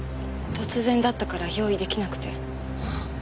突然だったから用意できなくて。